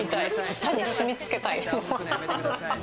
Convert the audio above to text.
舌に染みつけたい。